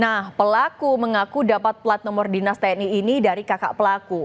nah pelaku mengaku dapat plat nomor dinas tni ini dari kakak pelaku